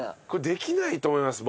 できないと思います